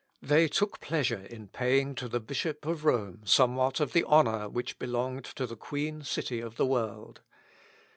They took pleasure in paying to the Bishop of Rome somewhat of the honour which belonged to the Queen city of the world.